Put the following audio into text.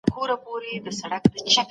زه د حق او عدالت پلوی یم.